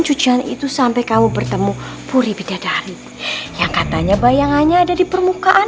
cucian itu sampai kamu bertemu puri bidadari yang katanya bayangannya ada di permukaan